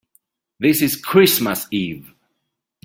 This is Christmas Eve.